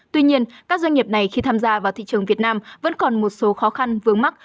tuy nhiên các doanh nghiệp này khi tham gia vào thị trường việt nam vẫn còn một số khó khăn vướng mắt